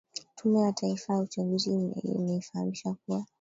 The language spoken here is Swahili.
tume ya taifa ya uchaguzi ameifahamisha kuwa